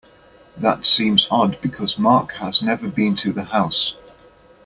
That seems odd because Mark has never been to the house.